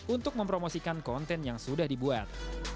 untuk mempromosikan konten yang sudah dibuat